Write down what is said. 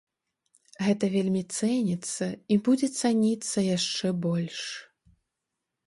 Гэта вельмі цэніцца, і будзе цаніцца яшчэ больш.